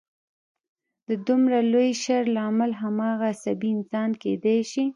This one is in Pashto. د دومره لوی شر لامل هماغه عصبي انسان کېدای شي